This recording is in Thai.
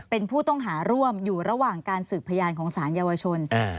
เป็นผู้ต้องหาร่วมอยู่ระหว่างการสืบพยานของสารเยาวชน